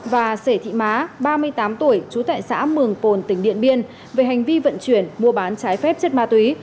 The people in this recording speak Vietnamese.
và sể thị má ba mươi tám tuổi trú tại xã mường pồn tỉnh điện biên về hành vi vận chuyển mua bán trái phép chất ma túy